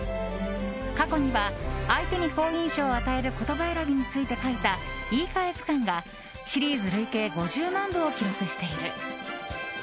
過去には、相手に好印象を与える言葉選びについて書いた「言いかえ図鑑」がシリーズ累計５０万部を記録している。